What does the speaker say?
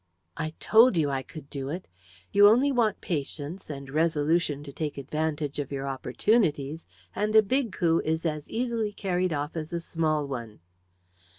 "I told you I could do it. You only want patience and resolution to take advantage of your opportunities, and a big coup is as easily carried off as a small one."